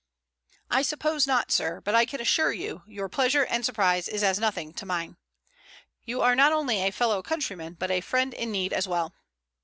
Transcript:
"I suppose not, sir, but I can assure you your pleasure and surprise is as nothing to mine. You are not only a fellow countryman but a friend in need as well."